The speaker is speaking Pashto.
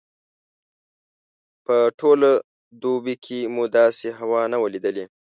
په ټوله دوبي کې مو داسې هوا نه وه لیدلې.